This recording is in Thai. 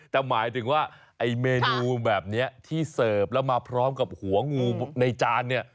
แต่หมายถึงว่าไอ้เมนูแบบนี้ที่เสิร์ฟแล้วมาพร้อมกับหัวงูในจานเนี่ย